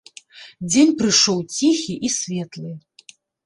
Дзень прыйшоў ціхі і светлы.